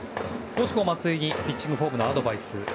松井にピッチングフォームのアドバイス